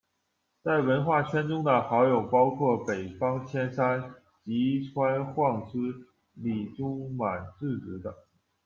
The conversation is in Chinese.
在文化圈中的好友包括北方谦三、吉川晃司、里中满智子等。